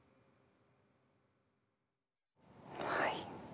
はい。